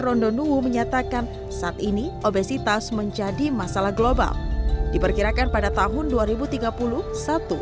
rondonuwu menyatakan saat ini obesitas menjadi masalah global diperkirakan pada tahun dua ribu tiga puluh satu